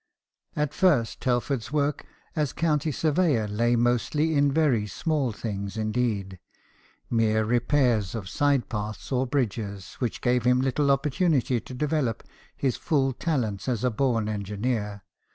At first, Telford's work as county surveyor lay mostly in very small things indeed mere repairs of sidepaths or bridges, which gave him little opportunity to develop his full talents as a born engineer.